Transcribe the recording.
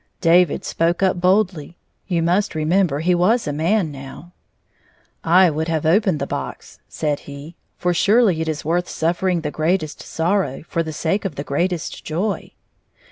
David spoke up boldly (you must remember he was a man now). " I would have opened the box," said he, "for surely it is worth suffering the greatest sorrow for the sake of the greatest joy."